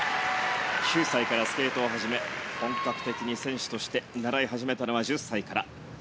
９歳からスケートを始め本格的に選手として習い始めたのは１０歳から。